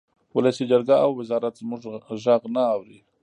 ولسي جرګه او وزارت زموږ غږ نه اوري